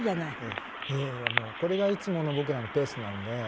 いやいやもうこれがいつもの僕らのペースなんで。